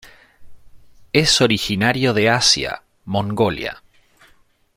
Es originario de Asia, Mongolia.